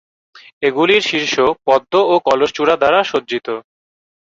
এগুলির শীর্ষ পদ্ম ও কলস চূড়া দ্বারা সজ্জিত।